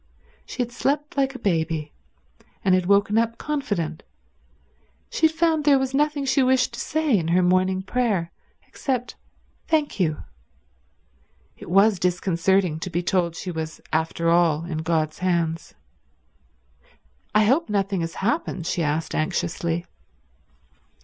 She had slept like a baby, and had woken up confident; she had found there was nothing she wished to say in her morning prayer, except Thank you. It was disconcerting to be told she was after all in God's hands. "I hope nothing has happened?" she asked anxiously.